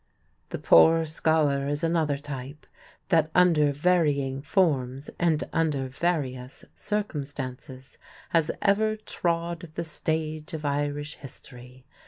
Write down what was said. The poor scholar is another type that under varying forms and under various circumstances has ever trod the stage of Irish history.